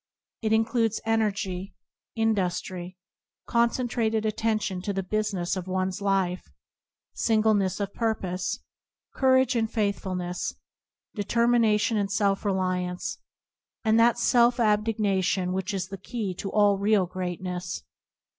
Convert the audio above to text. It includes energy, industry, concentrated attention to the business of one's life, singleness of pur pose, courage and faithfulness, determina tion and self reliance, and that self abnega tion which is the key to all real greatness.